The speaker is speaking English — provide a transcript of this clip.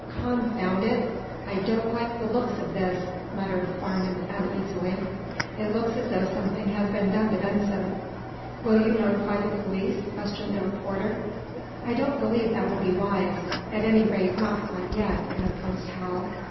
"Confound it, I don't like the looks of this," muttered Farnum, uneasily. "It looks as though something had been done to Benson." "Will you notify the police?" questioned the reporter. "I don't believe that would be wise. At any rate, not quite yet," interposed Hal.